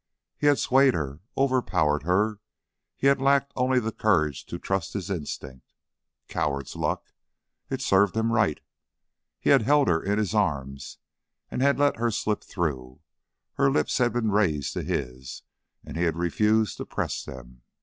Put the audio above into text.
He had swayed her, overpowered her; he had lacked only the courage to trust his instinct. Coward's luck! It served him right. He had held her in his arms and had let her slip through; her lips had been raised to his, and he had refused to press them.